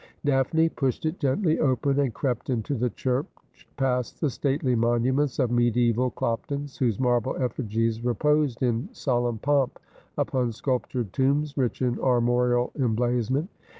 Daphne pushed it gently open, and crept into the church, past the stately monuments of mediaeval Cloptons, whose marble effigies reposed in solemn pomp upon sculptured tombs, rich in armorial emblazonment.